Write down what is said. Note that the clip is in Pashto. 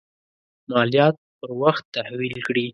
مالیات پر وخت تحویل کړي.